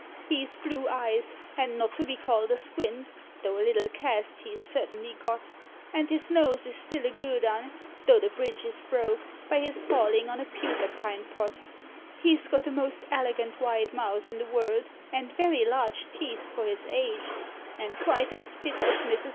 He's blue eyes, and not to be called a squint, though a little cast he 's certainly got; And his nose is still a good uu, though the bridge is broke, by his falling on a pewter pint pot ; He's got the most elegant wide mouth in the world, and very large teeth for his age; And (piite as tit as .Mrs.